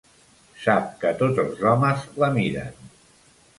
Sap que tots els homes la miren.